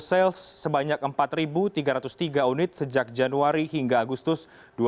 yang mencapai empat tiga ratus tiga unit sejak januari hingga agustus dua ribu enam belas